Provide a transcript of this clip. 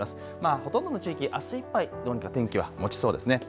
ほとんどの地域、あすいっぱいどうにか天気はもちそうです。